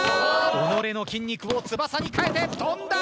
己の筋肉を翼に変えて跳んだ！